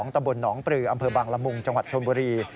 ตำบลหนองปลืออำเภอบางละมุงจังหวัดชนบุรี